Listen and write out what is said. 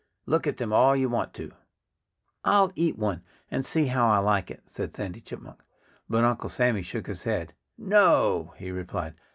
"Look at them all you want to." "I'll eat one and see how I like it," said Sandy Chipmunk. But Uncle Sammy shook his head. "No!" he replied.